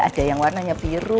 ada yang warnanya biru